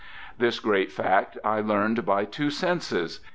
This grand fact I learned by two senses.